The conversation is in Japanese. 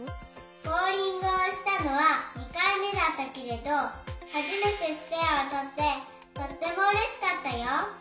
ボウリングをしたのは２かいめだったけれどはじめてスペアをとってとってもうれしかったよ。